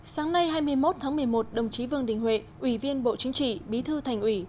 sáng nay hai mươi một tháng một mươi một đồng chí vương đình huệ ủy viên bộ chính trị bí thư thành ủy